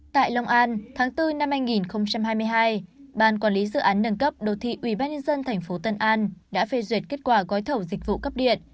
tại long an tháng bốn năm hai nghìn hai mươi hai ban quản lý dự án nâng cấp đô thị ubnd tp tân an đã phê duyệt kết quả gói thầu dịch vụ cấp điện